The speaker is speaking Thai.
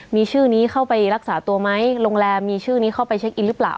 มีชื่อนี้เข้าไปรักษาตัวไหมโรงแรมมีชื่อนี้เข้าไปเช็คอินหรือเปล่า